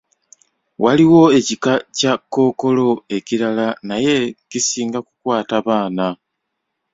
Waliwo ekika kya kkookolo ekirala naye kisinga kukwata baana.